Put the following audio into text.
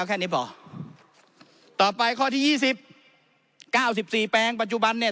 แค่นี้พอต่อไปข้อที่ยี่สิบเก้าสิบสี่แปลงปัจจุบันเนี่ย